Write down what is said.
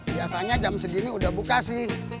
biasanya jam segini udah buka sih